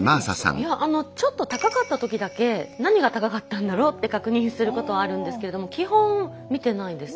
いやちょっと高かったときだけ何が高かったんだろうって確認することはあるんですけれども基本見てないです。